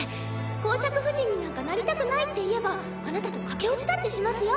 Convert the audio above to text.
侯爵夫人になんかなりたくないって言えばあなたと駆け落ちだってしますよ。